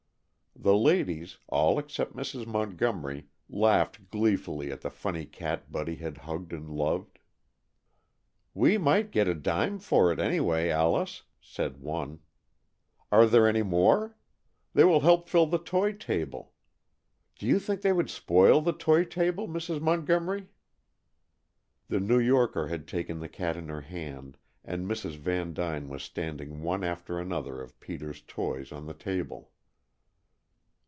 The ladies, all except Mrs. Montgomery, laughed gleefully at the funny cat Buddy had hugged and loved. "We might get a dime for it, anyway, Alice," said one. "Are there any more? They will help fill the toy table. Do you think they would spoil the toy table, Mrs. Montgomery?" The New Yorker had taken the cat in her hand, and Mrs. Vandyne was standing one after another of Peter's toys on the table.